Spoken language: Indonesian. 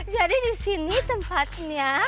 jadi di sini tempatnya